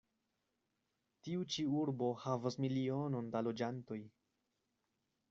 Tiu ĉi urbo havas milionon da loĝantoj.